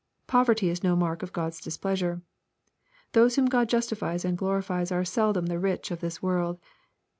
Poverty is no mark of God's displeasure. Those whom God jus tifies and glorifies are seldom the rich of this world.